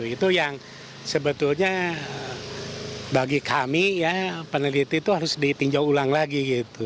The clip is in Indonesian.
itu yang sebetulnya bagi kami ya peneliti itu harus ditinjau ulang lagi gitu